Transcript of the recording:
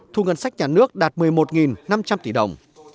thu ngân sách nhà nước đạt một mươi một năm trăm linh tỷ đồng